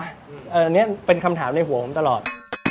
อันนี้เป็นคำถามในหัวผมตลอด